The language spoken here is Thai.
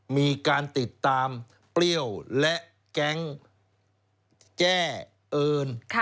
มีการติดตามเปรี้ยวและแก๊งแจ้เอิญ